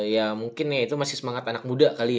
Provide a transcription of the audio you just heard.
ya mungkin ya itu masih semangat anak muda